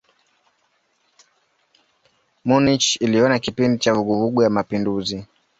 Munich iliona kipindi cha vuguvugu ya mapinduzi.